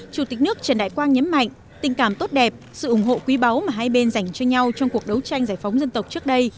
chủ tịch nước trần đại quang nhấn mạnh tình cảm tốt đẹp sự ủng hộ quý báu mà hai bên dành cho nhau trong cuộc đấu tranh giải phóng dân tộc trước đây